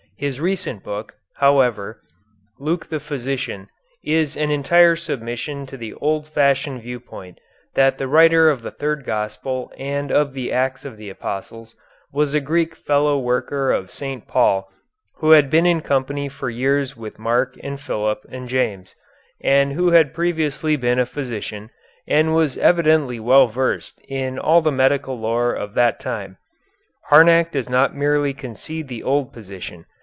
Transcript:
His recent book, however, "Luke the Physician," is an entire submission to the old fashioned viewpoint that the writer of the Third Gospel and of the Acts of the Apostles was a Greek fellow worker of St. Paul, who had been in company for years with Mark and Philip and James, and who had previously been a physician, and was evidently well versed in all the medical lore of that time. Harnack does not merely concede the old position.